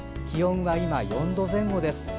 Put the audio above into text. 気温は今４度前後です。